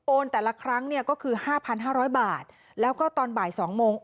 โอนแต่ละครั้งเนี่ยก็คือห้าพันห้าร้อยบาทแล้วก็ตอนบ่ายสองโมง